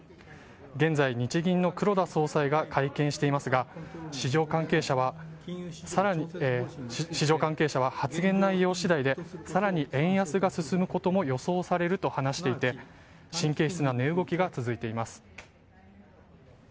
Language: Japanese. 現在、日銀の黒田総裁が会見していますが市場関係者は発言内容次第で更に円安が進むことも予想されると話していて神経質な値動きが続いています。